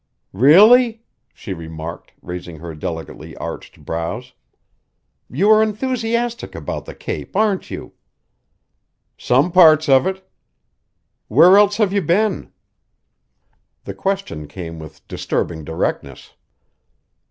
"Really?" she remarked, raising her delicately arched brows. "You are enthusiastic about the Cape, aren't you!" "Some parts of it." "Where else have you been?" The question came with disturbing directness.